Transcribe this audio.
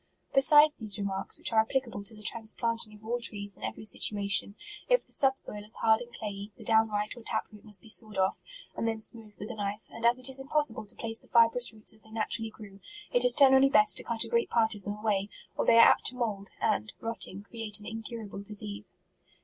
Besides these remarks, which are applica ble to the transplanting of all trees in every situation, if the subsoil is hard and clayey, the downright or tap root must be sawed off. and then smoothed with a knife ; and as it is im possible to place the fibrous roots as they naturally grew, it is generally best to cut a great part of them away, or they are apt to mould, and, rotting, create an incurable dis ease.